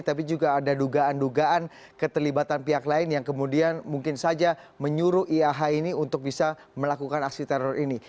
tapi juga ada dugaan dugaan keterlibatan pihak lain yang kemudian mungkin saja menyuruh iah ini untuk bisa melakukan aksi teror ini